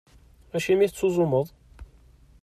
Acimi i tettuẓumeḍ?